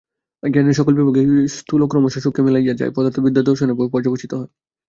জ্ঞানের সকল বিভাগেই স্থূল ক্রমশ সূক্ষ্মে মিলাইয়া যায়, পদার্থবিদ্যা দর্শনে পর্যবসিত হয়।